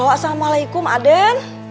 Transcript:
halo assalamualaikum aden